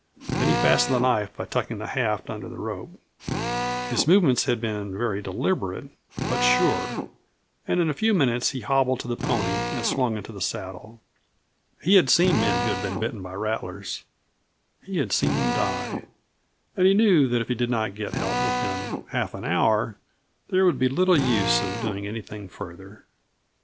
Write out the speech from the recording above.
Then he fastened the knife by tucking the haft under the rope. His movements had been very deliberate, but sure, and in a few minutes he hobbled to his pony and swung into the saddle. He had seen men who had been bitten by rattlers had seen them die. And he knew that if he did not get help within half an hour there would be little use of doing anything further.